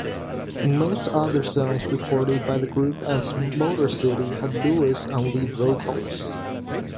Most other songs recorded by the group at Motorcity had Lewis on lead vocals.